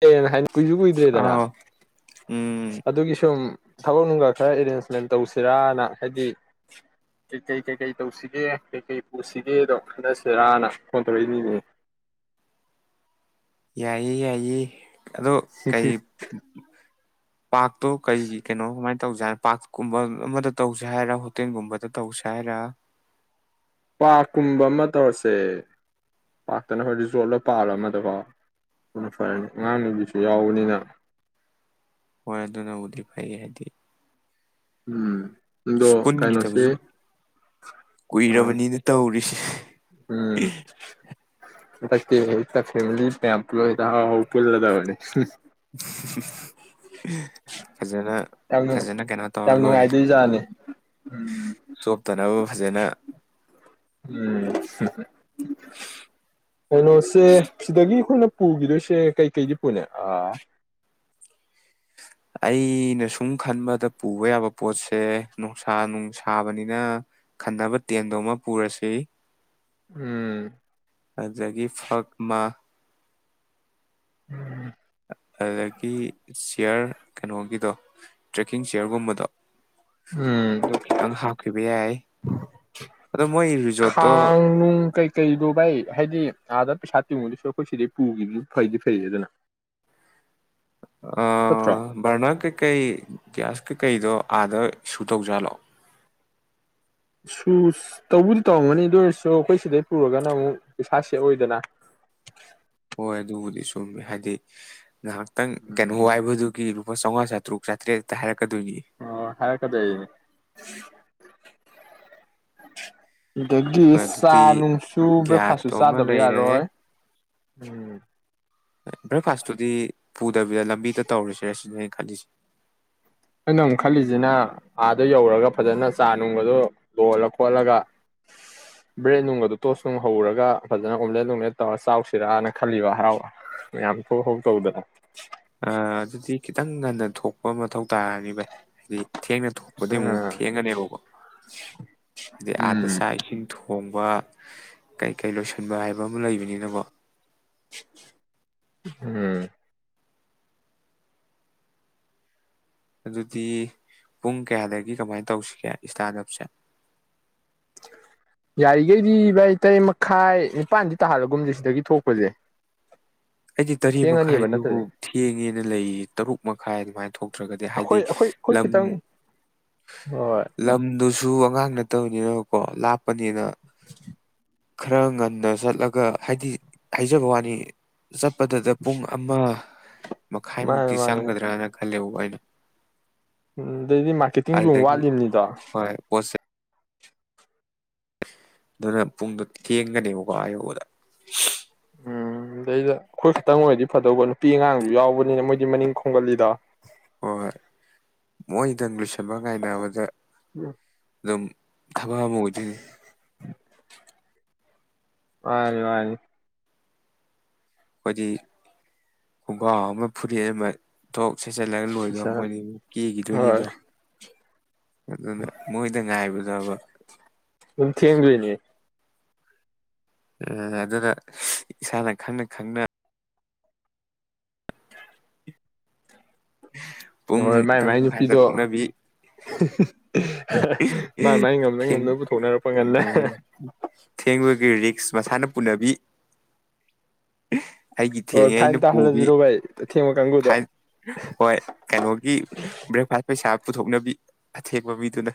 [unintelligible] ꯀꯨꯏꯁꯨ ꯀꯨꯏꯗ꯭ꯔꯦꯗꯅ ꯑꯥꯎ ꯎꯝ ꯑꯗꯨꯒꯤ ꯁꯨꯝ ꯊꯕꯛ ꯅꯨꯡꯒ ꯈꯔ ꯑꯦꯔꯦꯟꯖꯃꯦꯟ ꯇꯧꯁꯤꯔꯥꯅ ꯍꯥꯏꯗꯤ ꯀꯩꯀꯩ ꯀꯩꯀꯩ ꯇꯧꯁꯤꯒꯦ ꯀꯩꯀꯩ ꯄꯨꯁꯤꯒꯦꯗꯣ ꯈꯟꯅꯁꯤꯔꯅ ꯐꯣꯟ ꯇꯧꯔꯛꯏꯅꯤꯅꯦ ꯌꯥꯏꯌꯦ ꯌꯥꯏꯌꯦ ꯑꯗꯣ ꯁꯤꯐꯤꯁ ꯄꯥꯛꯇꯣ ꯀꯔꯤꯒꯤ ꯀꯩꯅꯣꯥꯏ ꯇꯧꯖꯥꯠ ꯄꯥꯔꯛꯀꯨꯝꯕ ꯑꯃꯗ ꯇꯧꯁꯦ ꯍꯥꯏꯔ ꯍꯣꯇꯦꯜꯒꯨꯝꯕꯗ ꯇꯧꯁꯦ ꯍꯥꯏꯔ ꯄꯥꯔꯛꯀꯨꯝꯕ ꯑꯃ ꯇꯧꯔꯁꯦ ꯄꯥꯔꯇꯅ ꯍꯈꯣꯏ ꯔꯤꯖꯣꯔꯠꯂ ꯄꯥꯜꯂ ꯑꯃꯗꯀꯣ ꯑꯗꯨꯅ ꯐꯔꯅꯤ ꯑꯉꯥꯡ ꯅꯨꯕꯤꯁꯨ ꯌꯥꯎꯕꯅꯤꯅ ꯍꯣꯏ ꯑꯗꯨꯅꯕꯨꯗꯤ ꯐꯩ ꯍꯥꯏꯗꯤ ꯎꯝ ꯑꯗꯣ ꯑꯁ ꯀꯩꯅꯣꯁꯤ ꯄꯨꯟꯈꯤꯗꯕꯁꯨ ꯀꯨꯏꯔꯕꯅꯤꯅ ꯇꯧꯔꯤꯁꯤ ꯎꯝ ꯍꯟꯗꯛꯇꯤ ꯑꯩ ꯈꯔ ꯐꯦꯃꯂꯤ ꯃꯌꯥꯝ ꯄꯨꯟꯂꯗꯕꯅꯤ ꯐꯖꯅ ꯌꯥꯝ ꯐꯖꯅ ꯀꯩꯅꯣ ꯇꯧꯔ ꯌꯥꯝ ꯂꯣꯏꯔꯦ ꯅꯨꯡꯉꯥꯏꯗꯣꯏꯖꯥꯠꯅꯤ ꯎꯝ ꯆꯣꯞꯇꯅꯕ ꯐꯖꯅ ꯎꯝ ꯀꯩꯅꯣꯁꯦ ꯁꯤꯗꯒꯤ ꯑꯩꯈꯣꯏꯅ ꯄꯨꯈꯤꯗꯣꯏꯁꯦ ꯀꯩꯀꯩꯒꯤ ꯄꯨꯅꯤ ꯑ ꯑꯩꯅ ꯁꯨꯝ ꯈꯟꯕꯗ ꯄꯨꯕ ꯌꯥꯕ ꯄꯣꯠꯁꯦ ꯅꯨꯡꯁꯥ ꯅꯨꯡꯁꯥꯕꯅꯤꯅ ꯈꯟꯅꯕ ꯇꯦꯟꯗꯣ ꯑꯃ ꯄꯨꯔꯁꯤ ꯎꯝ ꯑꯥꯗꯒꯤ ꯐꯛ ꯃꯥ ꯎꯝ ꯑꯗꯒꯤ ꯆꯤꯌꯔ ꯀꯩꯅꯣꯒꯤꯗꯣ ꯇ꯭ꯔꯦꯛꯀꯤꯡ ꯆꯤꯌꯔꯒꯨꯝꯕꯗꯣ ꯎꯝ ꯑꯗꯨ ꯈꯤꯇꯪ ꯍꯥꯞꯈꯤꯕ ꯌꯥꯏ ꯑꯗꯣ ꯃꯣꯏ ꯔꯤꯖꯣꯔꯠꯇꯣ ꯈꯥꯡ ꯅꯨꯡ ꯀꯩꯀꯩꯗꯣ ꯚꯥꯏ ꯍꯥꯏꯗꯤ ꯑꯥꯗ ꯄꯩꯁꯥ ꯇꯤꯉꯨꯗꯧ ꯁꯔꯨꯛ ꯑꯩꯈꯣꯏ ꯁꯤꯗꯩꯩ ꯄꯨꯈꯤꯕꯅ ꯐꯩꯗꯤ ꯐꯩ ꯑꯗꯨꯅ ꯑ ꯅꯠꯇ꯭ꯔꯣ ꯕꯔꯅꯥꯗ ꯀꯩ ꯀꯩ ꯒꯌꯥꯁ ꯀꯩ ꯀꯩꯗꯣ ꯑꯥꯗ ꯏꯁꯨ ꯇꯧꯖꯥꯠꯂꯣ ꯏꯁꯨꯁ ꯇꯧꯕꯗꯤ ꯇꯧꯔꯝꯒꯅꯤ ꯑꯗꯨ ꯑꯣꯏꯔꯁꯨ ꯑꯩꯈꯣꯏ ꯁꯤꯗꯩ ꯄꯨꯔꯒꯅ ꯑꯃꯨꯛ ꯄꯩꯁꯥ ꯁꯦꯕ ꯑꯣꯏꯗꯅ ꯍꯣꯏ ꯑꯗꯨꯕꯨꯗꯤ ꯁꯨꯝꯃꯦ ꯍꯥꯏꯗꯤ ꯉꯥꯏꯍꯥꯛꯇꯪ ꯀꯩꯅꯣ ꯋꯥꯏꯕꯗꯨ ꯗꯨꯒꯤ ꯂꯨꯄ ꯆꯧꯉꯥ ꯆꯥꯇꯔ꯭ꯨꯛ ꯆꯥꯇꯔ꯭ꯦꯠ ꯍꯦꯛꯇꯥ ꯍꯥꯏꯔꯛ ꯑꯑ ꯍꯥꯏꯔꯛꯀꯗꯣꯏꯅꯤꯅꯦ ꯑꯗꯒꯤ ꯍꯣꯏ ꯆꯥ ꯑꯗꯨꯗꯤ ꯅꯨꯡꯁꯨ ꯕ꯭ꯔꯦꯛꯐꯥꯁꯁꯨ ꯒ꯭ꯌꯥꯁꯇꯣ ꯑꯃ ꯆꯥꯗꯕ ꯂꯩꯔꯦ ꯌꯥꯔꯣꯏ ꯎꯝ ꯕ꯭ꯔꯦꯛꯐꯥꯁꯇꯨꯗꯤ ꯄꯨꯗꯕꯤꯗ ꯂꯝꯕꯤꯗ ꯇꯧꯔꯁꯤꯔ ꯁꯤꯅꯤ ꯑꯩꯅ ꯈꯜꯂꯤꯁꯦ ꯑꯩꯅ ꯑꯃꯨꯛ ꯈꯜꯂꯤꯁꯤꯅ ꯑꯥꯗ ꯌꯧꯔꯒ ꯐꯖꯅ ꯆꯥ ꯅꯨꯡꯒꯗꯣ ꯂꯣꯜꯂ ꯈꯣꯠꯂꯒ ꯕ꯭ꯔꯦꯠ ꯅꯨꯡꯒꯗꯣ ꯇꯣꯁ ꯅꯨꯡ ꯍꯧꯔꯒ ꯐꯖꯅ ꯑꯣꯝꯂꯦꯠ ꯅꯨꯡꯂꯦꯠ ꯇꯧꯔ ꯆꯥꯎꯁꯤꯔꯅ ꯈꯜꯂꯤꯕ ꯍꯔꯥꯎ ꯃꯌꯥꯝ ꯊꯣꯛ ꯍꯧꯥꯎ ꯇꯧꯗꯅ ꯑꯗꯨꯗꯤ ꯈꯤꯇꯪ ꯉꯟꯅ ꯊꯣꯛꯄ ꯃꯊꯧ ꯇꯥꯔꯅꯤ ꯕꯥꯢ ꯍꯥꯏꯗꯤ ꯊꯦꯡꯅ ꯊꯣꯛꯄꯗꯤ ꯑꯃꯨꯛ ꯑ ꯊꯦꯡꯒꯅꯦꯕꯀꯣ ꯍꯥꯏꯗꯤ ꯑꯗꯥ ꯎꯝ ꯆꯥꯛ ꯏꯁꯤꯡ ꯊꯣꯡꯕ ꯀꯩ ꯀꯩ ꯂꯣꯏꯁꯟꯕ ꯍꯥꯏꯕ ꯑꯃꯥ ꯂꯩꯕꯅꯤꯅꯀꯣ ꯎꯝ ꯑꯗꯨꯗꯤ ꯄꯨꯡ ꯀꯌꯥꯗꯒꯤ ꯀꯃꯥꯏꯅ ꯇꯧꯁꯤꯒꯦ ꯏꯁꯇꯥꯔꯠ ꯑꯞꯁꯦ ꯌꯥꯔꯤꯈꯩꯗꯤ ꯚꯥꯏ ꯇꯔꯦꯠ ꯃꯈꯥꯏ ꯅꯤꯄꯥꯜꯗꯤ ꯇꯥꯍꯜꯂꯒꯨꯝꯁꯦ ꯁꯤꯗꯒꯤ ꯊꯣꯛꯄꯁꯦ ꯑꯩꯗꯤ ꯇꯔꯦꯠ ꯊꯦꯡꯉꯅꯤꯕ ꯃꯈꯥꯏꯗꯨꯕꯨ ꯅꯠꯇ꯭ꯔꯗꯤ ꯊꯦꯡꯉꯦꯅ ꯂꯩꯔꯤ ꯇꯔꯨꯛ ꯃꯈꯥꯏ ꯑꯗꯨꯃꯥꯏꯅ ꯊꯣꯛꯇ꯭ꯔꯒꯗꯤ ꯍꯥꯏꯗꯤ ꯑꯩꯈꯣꯏ ꯑꯩꯈꯣꯏ ꯑꯩꯈꯣꯏ ꯂꯝ ꯈꯤꯇꯪ ꯍꯣꯏ ꯂꯝꯗꯨꯁꯨ ꯑꯉꯥꯡ ꯅꯠꯇꯕꯅꯤꯅ ꯀꯣ ꯂꯥꯞ ꯄꯅꯤꯅ ꯈꯔ ꯉꯟꯅ ꯆꯠꯂꯒ ꯍꯥꯏꯗꯤ ꯍꯥꯏꯖꯕ ꯋꯥꯅꯤ ꯆꯠꯄꯗꯗ ꯄꯨꯡ ꯑꯃ ꯃꯥꯅꯦ ꯃꯈꯥꯏꯃꯨꯛꯇꯤ ꯃꯥꯅꯦ ꯆꯪꯒꯗ꯭ꯔꯥꯅ ꯍꯂꯎ ꯑꯩꯅꯨ ꯎꯝ ꯗꯩꯗꯤ ꯃꯥꯔꯀꯦꯇꯤꯡꯁꯨ ꯑꯃꯨꯛ ꯋꯥꯠꯂꯤꯕꯅꯤꯗꯣ ꯍꯣꯏ ꯑꯗꯨꯅ ꯄꯨꯡꯗꯨꯣ ꯊꯦꯡꯒꯅꯦꯕꯀꫭ ꯑ ꯌꯧꯕꯗ ꯎꯝ ꯗꯩꯗ ꯑꯩꯈꯣꯏ ꯈꯤꯇꯪ ꯑꯣꯏꯔꯗꯤ ꯐꯗꯧꯕ ꯅꯨꯄꯤ ꯑꯉꯥꯡꯁꯨ ꯌꯥꯎꯕꯅꯤꯅ ꯃꯣꯏꯗꯤ ꯃꯅꯤꯡ ꯈꯣꯝꯒꯜꯂꯤꯗꫭ ꯍꯣꯏ ꯍꫭꯏ ꯃꯣꯏꯗꯪ ꯂꯤ ꯁꯟꯕ ꯉꯥꯏꯅꯕꯗ ꯑꯗꯨꯝ ꯊꯕꯛ ꯑꯃ ꯑꯣꯏꯗꯣꯏꯅꯤ [inaudible] ꯃꯥꯅꯤ ꯃꯥꯅꯤ ꯑꯈꯣꯏꯗꯤ ꯈꯣꯡꯒ꯭ꯔꯥꯎ ꯑꯃ ꯐꯨꯔꯤꯠ ꯑꯃ ꯊꯣꯛ ꯁꯣꯏꯆꯜꯂꯒ ꯂꯣꯏꯗꯣ ꯃꯣꯏꯗꯤ ꯃꯨꯛ ꯍꯣꯏ ꯀꯦꯒꯤꯗꯣꯏꯅꯤꯗꯣ ꯑꯗꯨꯗ ꯃꯣꯏꯗꯪ ꯉꯥꯏꯕꯗꯕ ꯑꯗꯨꯝ ꯊꯦꯡꯗꯣꯏꯅꯤ [unintelligible] ꯑꯗꯨꯅ ꯏꯁꯥꯅ ꯈꯪꯅ ꯈꯪꯅ ꯏ ꯍꯣꯏ ꯃꯥꯏ ꯃꯥꯏ ꯃꯈꯥꯏꯗ ꯅꯨꯄꯤꯗꯣ ꯊꯣꯛꯅꯕꯤ ꯃꯥ ꯃꯥꯥꯏ ꯉꯝꯅ ꯊꯦꯡ ꯉꯝꯅꯚ ꯄꯨꯊꯣꯛꯅꯔꯛꯄ ꯉꯟꯅ ꯊꯦꯡꯕꯒꯤ ꯔꯤꯛꯁ ꯄꯨꯅꯕꯤ ꯏ ꯑꯩꯒꯤ ꯍꯣꯏ ꯊꯦꯡꯉꯦ ꯑꯩꯅ ꯐꯥꯏꯟ ꯄꯨꯕꯤ ꯇꯥꯍꯜꯂꯁꯤꯔꯣ ꯚꯥꯏ ꯑꯊꯦꯡꯕ ꯀꯥꯡꯕꯨꯗꯣ ꯐꯥꯏꯟ ꯍꯣꯏ ꯀꯩꯅꯣꯒꯤ ꯕ꯭ꯔꯦꯛꯐꯥꯁ ꯄꯩꯁꯥ ꯄꯨꯊꯣꯛꯅꯕꯤ ꯑꯊꯦꯡꯕ ꯃꯤꯗꯨꯅ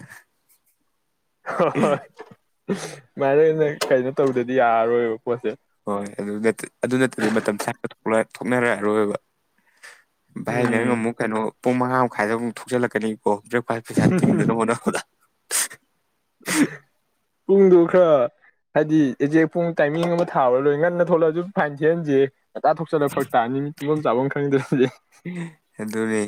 ꯍꫭ ꯍꯣꯏ [inaudible] ꯃꯥꯏꯔꯦꯅꯦ ꯀꯩꯅꯣ ꯇꯧꯗꯗꯤ ꯌꯥꯔ [unintelligible] ꯍꯣꯏ ꯑꯗꯨ ꯅꯠꯇ ꯑꯗꯨ ꯅꯠꯇꯗꯤ ꯃꯇꯝ ꯆꯥꯅ ꯊꫭꯛꯂꯑꫭꯏ ꯊꯣꯛꯅꯔ ꯑꯔꯣꯏꯕ ꯚꯥꯏ ꯅꯪ ꯎꯝ ꯑꯃꯨꯛ ꯀꯩꯅꯣ ꯄꯨꯡ ꯃꯉꯥ ꯃꯈꯥꯏꯗ ꯑꯃꯨꯛ ꯊꯣꯛꯆꯜꯂꯛꯀꯅꯤ ꯑꯣ ꯕ‍꯭ꯔꯦꯛꯐꯥꯁ ꯄꯩꯁꯥ ꯊꯤꯡꯗꯅꯕ ꯍꫭꯠꯅꯕꯗ ꯄꯨꯡꯗꯨꯕꯨ ꯈꯔ ꯍꯥꯏꯗꯤ ꯑꯦꯖꯦꯛ ꯄꯨꯡ ꯇꯥꯏꯃꯤꯡ ꯑꯃ ꯊꯥꯕꯔ ꯂꯣꯏ ꯉꯟꯅ ꯊꯣꯂꯛꯑꯁꯨ ꯐꯥꯏꯟ ꯊꯤꯍꯟꯁꯤꯍꯦ ꯉꯟꯇꯥ ꯊꯣꯛꯆꯜꯂ ꯐꯔꯛ ꯇꯥꯅꯤ ꯃꯤ ꯇꯨꯝꯕꯝ ꯆꯥꯕꯝ ꯈꯪꯉꯗꯕ ꯌꯥ ꯑꯗꯨꯅꯤ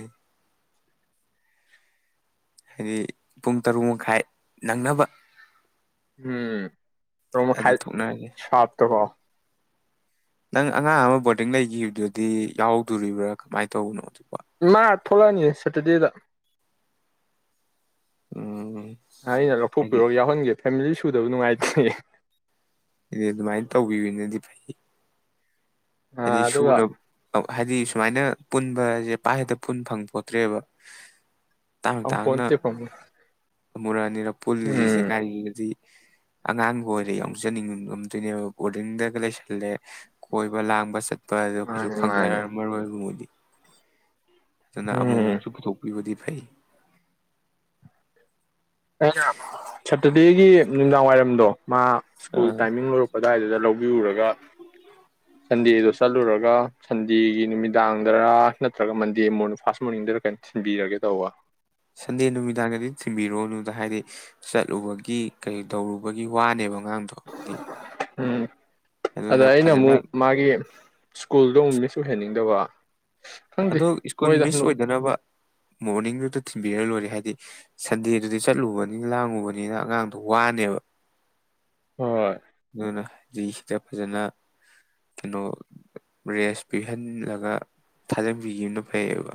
ꯍꯥꯏꯗꯤ ꯄꯨꯡ ꯇꯔꯨꯛ ꯃꯈꯥꯏ ꯅꯪꯅꯕ ꯎꯝ ꯔꯃ ꯑꯗꯨ ꯈꯥꯏ ꯊꯣꯛꯅꯔꯁꯦ ꯁꯞꯇ ꯀꯣ ꯅꯪ ꯑꯉꯥꯡ ꯑꯃ ꯕꯣꯔꯗꯤꯡ ꯂꯩꯈꯤꯕꯗꯨꯗꯤ ꯌꯥꯎꯗꯣꯔꯤꯕ꯭ꯔꯥ ꯀꯃꯥꯏꯅ ꯇꯧꯕꯅꯣ ꯃꯥ ꯊꯣꯛꯣꯔꯥꯅꯤ ꯁꯦꯇꯔꯗꯦꯗ ꯎꯝ ꯑꯩꯅ ꯂ ꯍꯥꯏꯗꯤ ꯐꯨꯔꯣ ꯌꯥꯎ ꯍꯣꯟꯒꯦ ꯐꯦꯃꯤꯂꯤ ꯁꯨꯗꯕ ꯅꯨꯡꯉꯥꯏꯇ꯭ꯦ ꯏꯗꯤ ꯑꯗꯨꯃꯥꯏꯅ ꯇꯧꯕꯤꯕꯅꯗꯤ ꯐꯩ ꯍꯥꯏꯗꯤ ꯑꯗꯨꯒ ꯁꯨꯅ ꯍꯥꯏꯗꯤ ꯁꯨꯃꯥꯏꯅ ꯄꯨꯟꯕꯁꯦ ꯄꯥꯏ ꯍꯦꯛꯇ ꯐꯨꯟ ꯐꯪꯄꯣꯇ꯭ꯔꯦꯕ ꯑꯃ ꯄꯣ ꯆꯩꯦ ꯐꯥꯎꯝꯃꯤ ꯃꯨꯔꯥꯅꯤ ꯄꯨꯂꯤꯁꯁꯤꯁꯦ ꯀꯒꯥꯔꯤꯒꯤꯗꯤ ꯑꯉꯥꯡꯕꯨ ꯑꯣꯏꯔ ꯌꯎꯆꯅꯤꯡ ꯉꯝꯗꯣꯏꯅꯦꯕ ꯕꯣꯔꯗꯤꯡꯗꯒ ꯂꯩꯁꯜꯂꯦ ꯀꯣꯏꯕ ꯂꯥꯡꯕ ꯁꯠ ꯗꯣ ꯀꯩꯁꯨ ꯃꯥꯅꯤ ꯃꯥꯅꯤ ꯐꯝꯖꯔꯔ ꯃꯔꯨ ꯑꯣꯏꯕ ꯃꯣꯏꯗꯤ ꯑꯗꯨꯅ ꯎꯝ ꯑꯃꯨꯛꯁꯨ ꯄꯨꯊꯣꯛꯄꯤꯕꯗꯤ ꯐꯩ ꯗꯦꯒꯤ ꯅꯨꯡꯗꯥꯡ ꯋꯥꯏꯔꯝꯗꯣ ꯃꯥ ꯁ꯭ꯀꯨꯜ ꯑꯥ ꯇꯥꯏꯃꯤꯡ ꯂꯣꯏꯔꯛꯄ ꯑꯗꯨꯋꯥꯏꯗꯨꯗ ꯂꯧꯕꯤꯔꯨꯔꯒ ꯁꯟꯗꯦꯗꯣ ꯆꯠꯂꯨꯔꯒ ꯁꯟꯗꯦꯒꯤ ꯅꯨꯃꯤꯗꯥꯡꯗꯔꯥ ꯅꯠꯇ꯭ꯔꯒ ꯃꯟꯗꯦ ꯃꯣꯔꯅꯤ ꯐꯥꯔꯁ ꯃꯣꯔꯅꯤꯡꯗꯔ ꯀꯩꯅꯣ ꯊꯤꯟꯕꯤꯔꯒꯦ ꯇꯧꯕ ꯁꯟꯗꯦ ꯅꯨꯃꯤꯗꯥꯡꯒꯗꯤ ꯊꯤꯟꯕꯤꯔꯣꯅꯨꯗ ꯍꯥꯏꯗꯤ ꯆꯠꯂꯨꯕꯒꯤ ꯀꯩ ꯇꯧꯔꯨꯕꯒꯤ ꯋꯥꯅꯦꯕ ꯑꯉꯥꯡꯗꯣ ꯍꯥꯏꯗꯤ ꯎꯝ ꯑꯗ ꯑꯗꯨꯅ ꯑꯩꯅ ꯐꯖꯅ ꯑꯃꯨꯛ ꯃꯥꯒꯤ ꯁ꯭ꯀꯨꯜꯗꯨ ꯑꯃꯨꯛ ꯃꯤꯁ ꯑꯣꯏꯍꯟꯅꯤꯡꯗꯕ ꯈꯪꯗꯦ ꯑꯗꯣ ꯁ꯭ꯀꯨꯜ ꯍꯣꯏꯗ ꯃꯤꯁ ꯑꯣꯏꯗꯅꯕ ꯃꯣꯔꯅꯤꯡꯗꯨꯗ ꯊꯤꯟꯕꯤꯔ ꯂꯣꯏꯔꯦ ꯍꯥꯏꯗꯤ ꯁꯟꯗꯦꯗꯨꯗꯤ ꯆꯠꯂꯨꯕꯅꯤꯅ ꯂꯥꯡꯉꯨꯕꯅꯤꯅ ꯑꯉꯥꯡꯗꯣ ꯋꯥꯅꯦꯕ ꯍꯣꯏ ꯅꯅꯥꯏ ꯔꯤꯁꯇ ꯐꯖꯅ ꯀꯩꯅꯣ ꯔꯦꯁ ꯄꯤꯍꯜꯂꯒ ꯊꯥꯖꯟꯕꯤꯒꯤꯝꯕꯅ ꯐꯩꯌꯦꯕ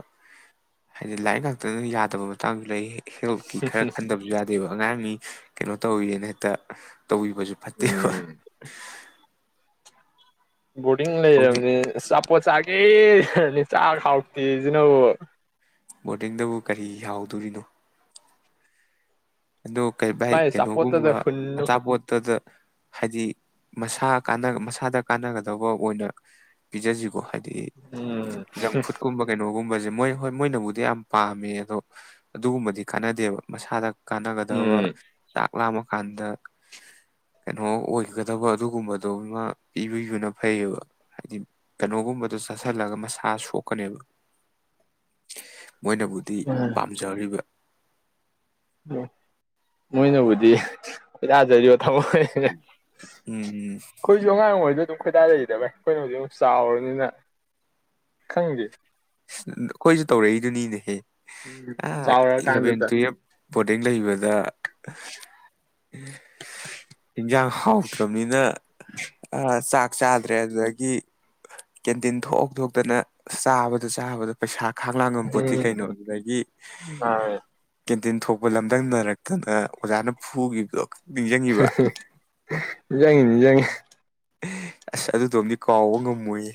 ꯍꯥꯏꯗꯤ ꯂꯥꯏꯔꯤꯛ ꯉꯥꯛ ꯐꯖꯅ ꯌꯥꯗꯕ ꯃꯇꯥꯡꯗꯨ ꯂꯩ ꯍꯦꯜꯇꯀꯤ ꯈꯔ ꯈꯟꯗꯕꯁꯨ ꯌꯥꯗꯦꯕ ꯑꯉꯥꯡ ꯃꯤ ꯀꯩꯅꯣ ꯇꯧꯋꯦꯅꯦ ꯍꯦꯛꯇ ꯇꯧꯕꯤꯕꯁꯨ ꯐꯠꯇꯦꯕ ꯎꯝ ꯕꯣꯔꯗꯤꯡ ꯍꯧꯖꯤꯛ ꯂꯩꯔꯝꯅꯦ ꯑꯆꯥꯄꯣꯠ ꯆꯥꯒ ꯑꯦꯍ ꯆꯥꯕꯗ ꯍꯥꯎꯇꯦꯁꯤꯅꯕꯨ ꯕꯣꯔꯗꯤꯡꯗꯕꯨ ꯀꯔꯤ ꯍꯥꯎꯗꯣꯔꯤꯅꯣ꯫ ꯑꯗꯣ ꯀꯩ ꯚꯥꯏ ꯃꯥꯏ ꯑꯆꯥꯄꯣꯠꯇꯗ ꯀꯩꯅꯣꯒꯨꯝꯕ ꯍꯨꯟꯅꯨ ꯑꯆꯥꯄꯣꯠꯇꯗ ꯍꯥꯏꯗꯤ꯫ ꯃꯁꯥ ꯃꯁꯥꯗ ꯀꯥꯟꯅꯒꯗꯕ ꯑꯣꯏꯅ ꯄꯤꯖꯁꯤꯀꯣ ꯍꯥꯏꯗꯤ꯫ ꯎꯝ ꯗꯤ ꯖꯪ ꯐꯨꯗꯀꯨꯝꯕ ꯀꯩꯅꯣꯒꯨꯝꯕꯁꯦ꯫ ꯃꯣꯏ ꯍꯣꯏ ꯃꯣꯏꯅꯕꯨꯗꯤ ꯌꯥꯝ ꯄꯥꯝꯃꯦ ꯑꯗꯣ ꯑꯗꯨꯒꯨꯝꯕꯗꯤ ꯀꯥꯟꯅꯗꯦꯕ ꯃꯁꯥꯗ꯫ ꯀꯥꯟꯅꯒꯗꯕ ꯎꯝ ꯆꯥꯛ ꯂꯥꯃꯀꯥꯟꯗ ꯀꯩꯅꯣ ꯑꯣꯏꯒꯗꯕ ꯑꯗꯨꯒꯨꯝꯕꯗꯣꯃ ꯄꯤꯕꯕꯅ ꯐꯩꯌꯦꯕ ꯍꯥꯏꯗꯤ ꯀꯩꯅꯣꯒꯨꯝꯕ꯫ ꯑꯗꯨ ꯆꯥꯁꯤꯜꯂꯒ ꯃꯁꯥꯁꯣꯛ꯫ ꯀꯅꯦꯕ꯫ ꯃꯣꯏꯅꯕꯨꯗꯤ ꯄꯥꯝꯖꯔꯤꯕ꯫ ꯃꯣꯏꯅꯕꯨꯗꯤ ꯈꯣꯏꯗꯥꯖꯔꯤꯕ꯫ [unintelligible] ꯎꯝ ꯑꯩꯈꯣꯏꯁꯨ ꯑꯉꯥꯡ ꯑꯣꯏꯔꯤꯉꯩꯗ꯫ ꯑꯗꯨꯝ ꯈꯣꯏꯗꯥꯖꯩꯗ ꯕꯥꯏ ꯑꯩꯈꯣꯏꯅ ꯍꯨꯖꯤꯛ ꯑꯃꯨꯛ ꯆꯥꯎꯔꯕꯅꯤꯅ ꯈꯪꯗꯦ꯫ ꯑꯩꯈꯣꯏꯁꯨ ꯇꯧꯔꯛꯏꯗꯨꯅꯤꯅꯦꯍꯦ꯫ ꯎꯝ ꯑꯥ ꯆꯥꯎꯔ ꯀꯥꯟꯗ ꯏꯂꯚꯦꯟ ꯇ꯫ ꯇꯨꯌꯦꯜꯞ ꯕꯣꯔꯗꯤꯡ ꯂꯩꯕꯗ꯫ ꯏꯟꯁꯥꯡ ꯍꯥꯎꯇ꯭ꯔꯝꯅꯤꯅ꯫ ꯆꯥꯛ ꯆꯥꯗ꯭ꯔꯦ ꯑꯗꯨꯗꯒꯤ ꯀꯦꯟꯇꯤꯟ ꯊꯣꯛ ꯊꯣꯛꯇꯅ ꯆꯥꯕ꯫ ꯗ ꯆꯥꯕꯗ ꯄꯩꯁꯥ꯫ ꯈꯥꯛꯂꯥꯡ ꯉꯝꯄꯣꯠꯇꯦ ꯎꯝ ꯀꯩꯅꯣ ꯑꯗꯨꯗꯒꯤ ꯑꯥ ꯀꯦꯟꯇꯤꯟ ꯊꯣꯛꯄ ꯂꯝꯗꯪꯅꯔꯛꯇꯅ꯫ ꯑꯣꯖꯥꯅ ꯐꯨꯒꯤꯕꯗꯣ꯫ ꯅꯤꯖꯪꯉꯤ ꯅꯤꯖꯪꯉꯤ꯫ ꯑꯁ ꯑꯗꯨꯗꯨꯃꯗꯤ ꯀꯥꯎꯕ ꯉꯝꯃꯣꯏꯌꯦ꯫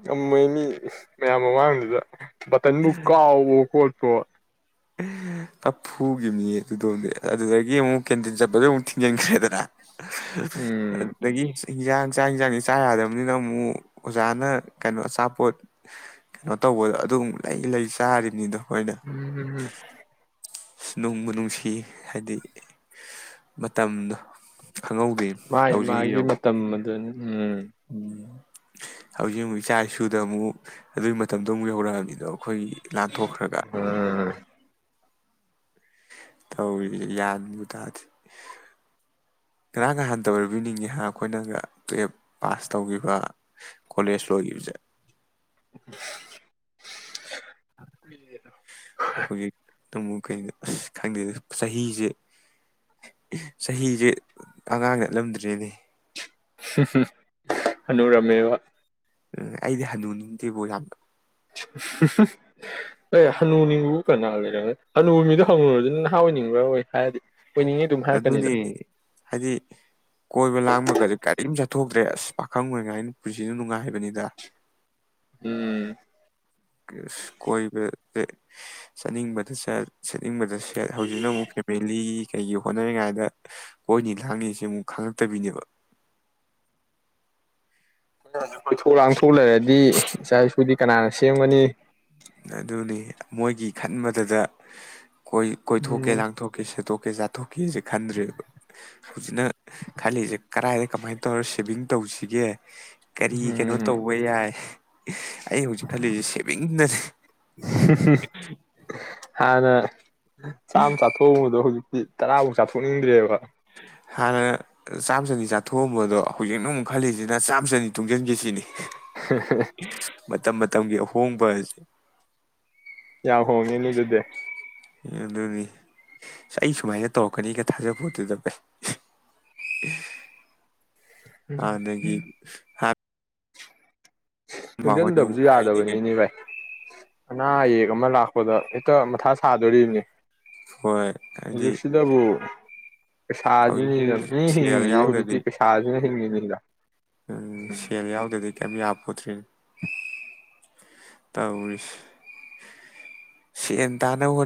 ꯉꯝꯃꯣꯏ ꯃꯤ ꯃꯌꯥꯝ ꯃꯃꯥꯡꯗꯨꯗ꯫ ꯕꯇꯟꯕꯨ ꯀꯥꯕꯣꯑꯣ ꯈꯣꯠ [unintelligible] ꯐ ꯐꯨꯒꯤꯝꯅꯤꯌꯦ ꯑꯗꯨꯗꯣꯝꯗꯤ ꯑꯗꯨꯗꯒꯤ ꯑꯃꯨꯛ ꯀꯦꯟꯇꯤꯟ ꯆꯠꯄꯗꯣ ꯑꯃꯨꯛ ꯊꯤꯡꯖꯤꯟꯈ꯭ꯔꯦꯗꯅ꯫ ꯎꯝ ꯑꯗꯨꯗꯒꯤ꯫ ꯍꯦꯟꯖꯥꯡ ꯆꯥꯛ ꯌꯦꯟꯖꯥꯡꯁꯦ ꯆꯥ ꯌꯥꯗꯕꯅꯤꯅ ꯑꯃꯨꯛ ꯑꯣꯖꯥꯅ ꯀꯩꯅꯣ ꯑꯆꯥꯄꯣꯠ ꯀꯩꯅꯣ ꯇꯧꯕꯗꯣ ꯑꯗꯨꯝ ꯂꯩ ꯂꯩ ꯆꯥꯔꯤꯕꯅꯤꯗꯣ꯫ ꯑꯩꯈꯣꯏꯅ ꯎꯝꯍꯨꯍꯨꯝ꯫ ꯅꯨꯡꯕꯨ ꯅꯨꯡꯁꯤ ꯍꯥꯏꯗꯤ ꯃꯇꯝꯗꯣ꯫ ꯈꯪꯍꯧꯗꯦ ꯃꯥꯥꯏ ꯃꯥꯒꯤ ꯃꯇꯝ ꯑꯗꯨꯅꯤ꯫ ꯎꯝ ꯎꯝ꯫ ꯍꯧꯖꯤꯛ ꯑꯃꯨꯛ ꯏꯆꯥ ꯏꯁꯨꯗ ꯑꯃꯨꯛ ꯑꯗꯨꯒꯤ ꯃꯇꯝꯗꯣ ꯑꯃꯨꯛ ꯌꯧꯔꯛꯑꯕꯅꯤꯗꯣ꯫ ꯑꯩꯈꯣꯏꯒꯤ ꯂꯥꯟꯊꯣꯛꯈ꯭ꯔꯒ ꯎꯝ ꯇꯧꯔꯤꯁꯦ ꯒꯌꯥꯟꯕꯨ ꯇꯥꯗꯦ ꯉꯔꯥꯡ ꯅꯍꯥꯟꯇ ꯑꯣꯏꯔꯕꯣꯏ ꯅꯤꯉꯤ ꯑꯩꯈꯣꯏꯅꯒ ꯇꯨꯌꯦꯜꯞ ꯄꯥꯁ ꯇꯧꯈꯤꯕ ꯀꯣꯂꯦꯖ ꯂꯣꯏꯈꯤꯕꯁꯦ ꯑ ꯁ ꯁꯍ ꯍꯥ ꯇꯃꯨꯛ ꯈꯩꯅ ꯑꯁ ꯈꯪꯗꯦ ꯆꯍꯤꯁꯦ ꯆꯍꯤꯁꯦ ꯑꯉꯥꯡ ꯅꯠꯂꯝꯗ꯭ꯔꯦꯅꯦ ꯍ ꯍ ꯍꯥꯅꯨꯔꯝꯃꯦꯕ ꯎꯨꯝ ꯑꯩꯗꯤ ꯍꯅꯨꯅꯤꯡꯗꯦꯕꯣ ꯌꯥꯝꯅ ꯍ ꯍ ꯑꯥꯏ ꯍꯅꯨ ꯅꯤꯡꯕꯕꯨ ꯀꯅꯥ ꯂꯩꯔꯝꯒꯦ ꯍꯅꯨ ꯃꯤꯗꯣ ꯍꯪꯉꯨꯨꯔꯗꯨꯅ ꯅꯍꯥ ꯑꯣꯏꯅꯤꯡꯕ꯭ꯔꯥ ꯑꯣꯏ ꯍꯥꯏꯔꯗꯤ ꯑꯣꯏꯅꯤꯡꯉꯤ ꯑꯗꯨꯝ ꯑꯗꯨꯅꯤ ꯍꯥꯏꯔꯛꯀꯅꯤꯗ ꯍꯥꯏꯗꯤ ꯀꯣꯏꯕ ꯂꯥꯡꯕꯒꯗꯤ ꯀꯔꯤꯝ ꯆꯠꯊꯣꯛꯇ꯭ꯔꯦ ꯑꯁ ꯄꯥꯈꯪ ꯑꯣꯏꯉꯥꯏ ꯄꯨꯟꯁꯤꯁꯨ ꯅꯨꯡꯉꯥꯏꯕꯅꯤꯗ ꯎꯨꯝ ꯀꯥꯁ ꯀꯣꯏꯕ ꯆꯠꯅꯤꯡꯕꯗ ꯆꯠ ꯁꯦꯟꯅꯤꯡꯕꯗ ꯁ ꯐꯦ ꯍꯧꯖꯤꯛꯅꯃꯨꯛ ꯐꯦꯃꯤꯂꯤ ꯀꯩꯒꯤ ꯍꯣꯠꯅꯔꯤꯉꯥꯏꯗ ꯀꯣꯏꯅꯤ ꯂꯥꯡꯅꯤꯁꯤ ꯑꯃꯨꯛ ꯈꯪꯉꯛꯇꯕꯤꯅꯦꯕ ꯑꯈꯣꯏꯅ ꯍꯧꯖꯤꯛ ꯀꯣꯏꯊꯣꯛ ꯂꯥꯡꯊꯣꯛ ꯂꯩꯔꯗꯤ ꯏꯆꯥ ꯏꯁꯨꯗꯤ ꯀꯅꯥꯅ ꯁꯦꯝꯒꯅꯤ ꯑꯗꯨꯅꯤ ꯃꯣꯏꯒꯤ ꯈꯟꯕꯗꯗ ꯍ ꯀꯣꯏ ꯀꯣꯏꯊꯣꯛꯀꯦ ꯎꯝ ꯂꯥꯡꯊꯣꯛꯀꯦ ꯁꯦꯠꯇꯣꯛ ꯀꯖꯥ-ꯊꯣ ꯀꯦꯁꯦ ꯈꯟꯗ꯭ꯔꯦꯕ ꯍꯧꯖꯤꯛꯅ ꯈꯜꯂꯤꯁꯦ ꯀꯔꯥꯏꯗ ꯀꯃꯥꯏ ꯇꯧꯔ ꯁꯦꯚꯤꯡ ꯇꯧꯁꯤꯒꯦ ꯍ ꯀꯔꯤ ꯀꯩꯅꯣ ꯎꯝ ꯇꯧꯕ ꯌꯥꯏ ꯍ ꯍꯥ ꯑꯩ ꯍꯧꯖꯤꯛ ꯈꯜꯂꯤꯁꯦ ꯁꯦꯃꯤꯡꯗꯅꯤ ꯍ ꯍ ꯍꯥꯟ ꯅꯥ ꯆꯥꯝ ꯆꯥꯊꯣꯛꯎꯕꯗꯣ ꯍꯧꯖꯤꯛ ꯇꯤ ꯇꯔꯥꯕꯥꯎ ꯆꯥꯊꯣꯛꯅꯤꯡꯗ꯭ꯔꯦꯕ ꯍꯥꯟꯅ ꯆꯥꯝ ꯆꯅꯤ ꯆꯥꯊꯣꯛꯑꯝꯕꯗꯣ ꯍꯧꯖꯤꯛꯅ ꯑꯃꯨꯛ ꯈꯜꯂꯤꯁꯤꯅ ꯆꯥꯝ ꯆꯅꯤ ꯇꯨꯡꯁꯤꯟꯒꯦ ꯁꯤꯅꯤ ꯍꯥ ꯍꯥ ꯃꯇꯝ ꯃꯇꯝꯒꯤ ꯑꯍꯣꯡꯕ ꯍꯥꯏꯁꯦ ꯌꯥꯝ ꯍꯣꯡꯉꯦꯅꯦ ꯑꯗꯨꯗꯤ ꯑꯗꯨꯅꯤ ꯁ ꯑꯩ ꯁꯨꯃꯥꯏꯅ ꯇꯧꯔꯛꯀꯅꯤꯒ ꯊꯥꯖꯄꯣꯠꯇꯦꯗ ꯚꯥꯏ ꯑꯗꯒꯤ ꯍꯥꯟ ꯃꯥꯍꯣꯏꯅ ꯇꯨꯡꯖꯤꯟꯗꯕꯁꯨ ꯑꯃꯨꯛ ꯍꯥꯏꯗꯤ ꯀꯩ ꯌꯥꯗꯕꯅꯤꯅꯦ ꯚꯥꯏ ꯑꯅꯥ ꯑꯌꯦꯛ ꯑꯃ ꯂꯥꯛꯄꯗ ꯍꯦꯛꯇ ꯃꯊꯥ ꯁꯥꯗꯣꯔꯤꯕꯅꯤ ꯍꯣꯏ ꯍꯥꯏꯗꯤ ꯍꯧꯖꯤꯛ ꯁꯤꯗꯕꯨ ꯄꯩꯁꯥꯁꯤꯅꯤ ꯍꯧꯖꯤꯛꯁꯦ ꯌꯥꯝ ꯊꯤ ꯁꯦꯜ ꯍꯤꯡꯉꯤꯁꯦ ꯍꯧꯖꯤꯛꯇꯤ ꯌꯥꯎꯗ꯭ꯔꯗꯤ ꯄꯩꯁꯥꯁꯤꯅ ꯍꯤꯡꯉꯤ ꯅꯤꯡꯗ ꯎꯝ ꯁꯦꯜ ꯌꯥꯎꯗꯗꯤ ꯀꯩꯝ ꯌꯥ ꯔꯤ ꯇꯧꯔꯤꯁ ꯁꯦꯟ ꯇꯥꯅꯕ ꯍꯣ